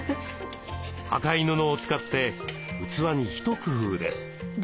赤い布を使って器に一工夫です。